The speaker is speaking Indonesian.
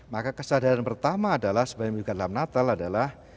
maka kesadaran pertama adalah sebagian dari bikan lam natal adalah